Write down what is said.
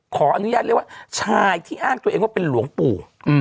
ขออนุญาตเรียกว่าชายที่อ้างตัวเองว่าเป็นหลวงปู่